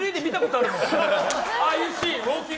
ああいうシーン。